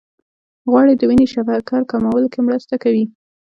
غوړې د وینې شکر کمولو کې مرسته کوي.